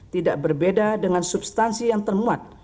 tidak berbeda dengan substansi yang termuat